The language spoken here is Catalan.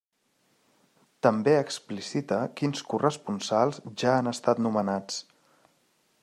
També explicita quins corresponsals ja han estat nomenats.